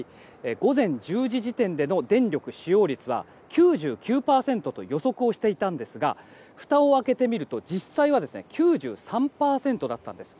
午前１０時時点での電力使用率は９９％と予測をしていたんですがふたを開けてみると実際は９３％だったんです。